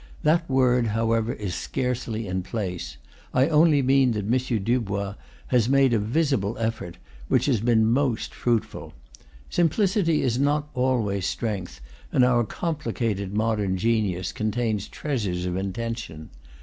That word, however, is scarcely in place; I only mean that M. Dubois has made a vi sible effort, which has been most fruitful. Simplicity is not always strength, and our complicated modern genius contains treasures of intention.